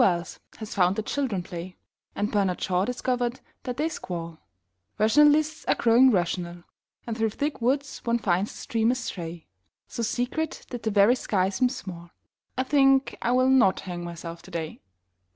Wells has found that children play, And Bernard Shaw discovered that they squall; Rationalists are growing rational And through thick woods one finds a stream astray, So secret that the very sky seems small I think I will not hang myself today.